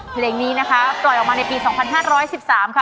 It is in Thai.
เพลงนี้นะคะปล่อยออกมาในปี๒๕๑๓ค่ะ